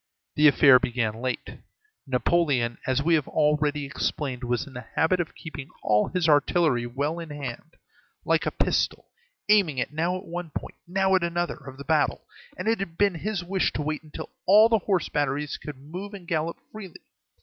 The affair began late. Napoleon, as we have already explained, was in the habit of keeping all his artillery well in hand, like a pistol, aiming it now at one point, now at another, of the battle; and it had been his wish to wait until the horse batteries could move and gallop freely.